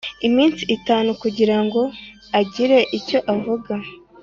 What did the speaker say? Iminsi itanu kugira ngo agire icyo avuga